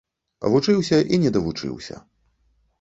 Вучыўся і не давучыўся.